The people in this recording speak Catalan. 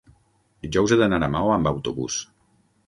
Dijous he d'anar a Maó amb autobús.